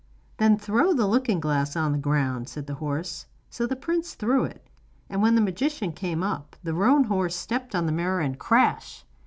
'Then throw the looking glass on the ground,' said the horse. So the prince threw it; and when the magician came up, the roan horse stepped on the mirror, and crash!